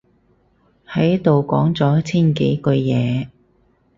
喺度講咗千幾句嘢